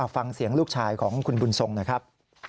ฟังเสียงลูกชายของคุณบุญทรงหน่อยครับ